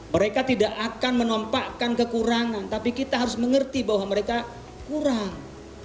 mereka tidak akan menampakkan kekurangan tapi kita harus mengerti bahwa mereka kurang